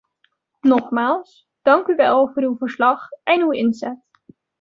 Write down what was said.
Nogmaals: dank u wel voor uw verslag en uw inzet.